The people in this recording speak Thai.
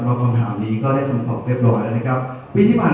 ว่าเป็นปีที่ทุกคนให้ความรักที่กระดู๋ามาก